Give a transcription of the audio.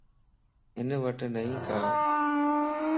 ھن وٽ نئين ڪار